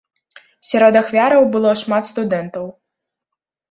Сярод ахвяраў было шмат студэнтаў.